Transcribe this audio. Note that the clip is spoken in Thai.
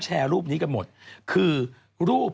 จากธนาคารกรุงเทพฯ